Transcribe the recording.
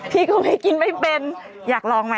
ที่เขาไม่กินไม่เป็นอยากลองไหม